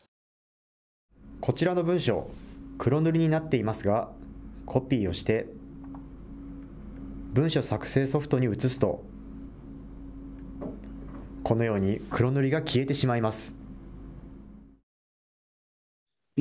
こちらの文書、黒塗りになっていますがコピーをして文書作成ソフトに写すとこのように黒塗りが消えてしまいます。